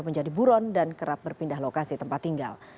menjadi buron dan kerap berpindah lokasi tempat tinggal